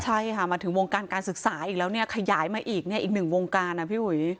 ใช่ค่ะมาถึงวงการการศึกษาอีกแล้วเนี่ยขยายมาอีกเนี่ยอีกหนึ่งวงการนะพี่อุ๋ย